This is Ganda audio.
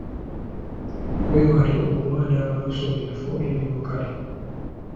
Weewale okuwanda amalusu mu bifo eby'olukale.